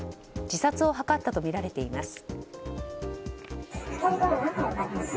自殺を図ったとみられています。